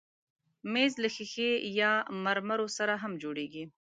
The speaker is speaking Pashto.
مېز له ښیښې یا مرمرو سره هم جوړېږي.